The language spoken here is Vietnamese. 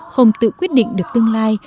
không tự quyết định được tương lai